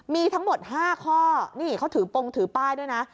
มีทั้งหมด๕ข้อนี่เขาถือปงถือป้ายด้วยนะ